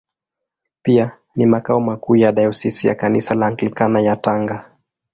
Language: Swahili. Pia ni makao makuu ya Dayosisi ya Kanisa la Anglikana ya Tanga.